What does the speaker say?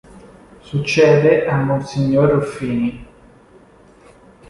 Succede a mons. Ruffini.